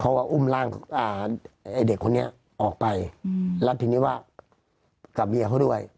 เขาก็อุ้มร่างอ่าไอ้เด็กคนนี้ออกไปอืมแล้วทีนี้ว่ากับเบียร์เขาด้วย